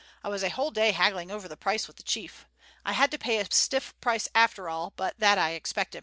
I was a whole day haggling over the price with the chief. I had to pay a stiff price after all, but that I expected.